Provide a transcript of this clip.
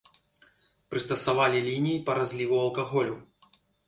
Прыстасавалі лініі па разліву алкаголю.